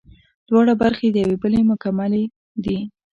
دواړه برخې د یوې بلې مکملې دي